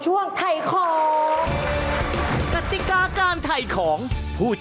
ไม่ต้องต่อลองแล้ว